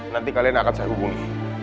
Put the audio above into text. nanti kalian akan saya hubungi